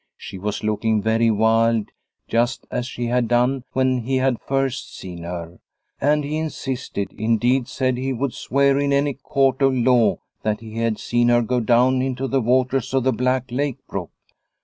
She was looking very wild, just as she had done when he had first seen her, and he insisted indeed said he 254 Liliecrona's Home would swear in any court of law that he had seen her go down into the waters of the Black Lake brook.